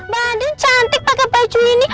badan cantik pakai baju ini